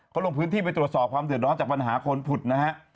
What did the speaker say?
เขาลงพื้นที่ไปตรวจสอบความเดือดร้อนจากปัญหาคนผุดนะฮะ